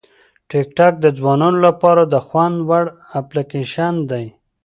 ټیکټاک د ځوانانو لپاره د خوند وړ اپلیکیشن دی.